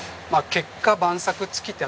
結果万策尽きた。